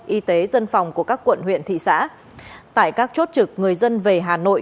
y tế dân phòng của các quận huyện thị xã tại các chốt trực người dân về hà nội